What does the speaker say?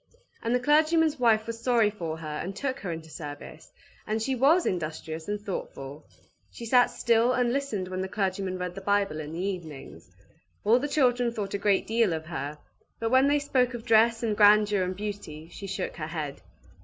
And the clergyman's wife was sorry for her and took her into service; and she was industrious and thoughtful. She sat still and listened when the clergyman read the Bible in the evenings. All the children thought a great deal of her; but when they spoke of dress, and grandeur, and beauty, she shook her head.